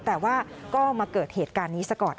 แต่ว่าก็มาเกิดเหตุการณ์นี้ซะก่อน